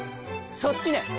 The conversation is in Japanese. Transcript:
そっちね！